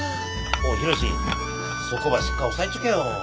おう浩志そこばしっか押さえちょけよ。